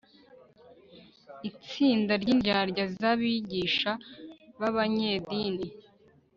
itsinda ry'indyarya z'abigisha b'abanyedini